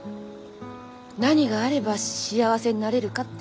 何があれば幸せになれるかって。